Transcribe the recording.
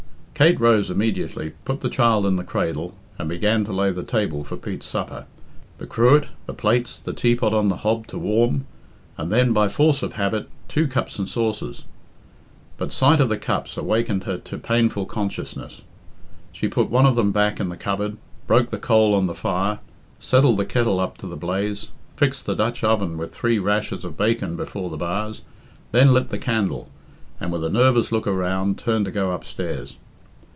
Kate rose immediately, put the child in the cradle, and began to lay the table for Pete's supper the cruet, the plates, the teapot on the hob to warm, and then by force of habit two cups and saucers. But sight of the cups awakened her to painful consciousness. She put one of them back in the cupboard, broke the coal on the fire, settled the kettle up to the blaze, fixed the Dutch oven with three rashers of bacon before the bars, then lit a candle, and, with a nervous look around, turned to go upstairs.